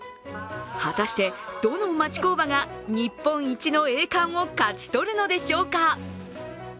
果たしてどの町工場が日本一の栄冠を勝ち取るのでしょうか。